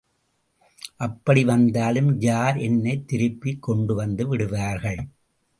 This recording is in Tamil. அப்படி வந்தாலும் யார் என்னைத் திருப்பிக் கொண்டுவந்து விடுவார்கள்?